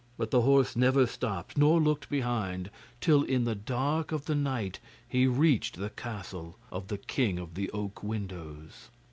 But the horse never stopped nor looked behind, till in the dark of the night he reached the castle of the king of the oak windows.